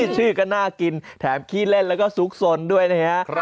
ชื่อก็น่ากินแถมขี้เล่นแล้วก็ซุกสนด้วยนะฮะ